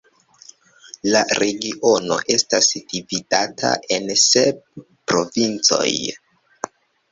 La regiono estas dividata en sep provincoj.